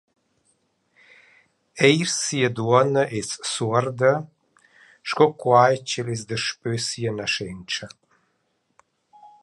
Eir sia duonna es suorda –sco quai ch’el es daspö sia naschentscha.